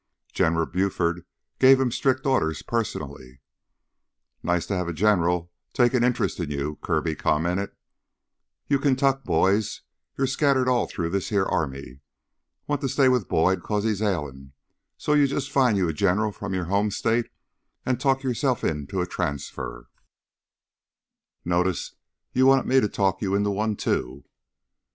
"General Buford gave him strict orders personally " "Nice to have a general take an interest in you," Kirby commented. "You Kaintuck boys, you're scattered all through this heah army. Want to stay with Boyd 'cause he's ailin', so you jus' find you a general from your home state an' talk yourself into a transfer " "Notice you wanted me to talk you into one, too."